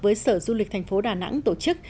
với sở du lịch thành phố đà nẵng tổ chức